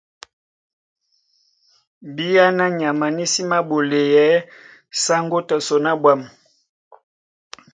Bìáná nyama ní sí māɓolɛɛ́ sáŋgó tɔ son á ɓwǎm̀.